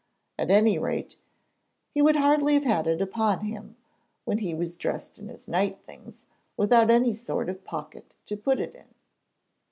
At any rate, he would hardly have had it upon him when he was dressed in his night things, without any sort of pocket to put it in.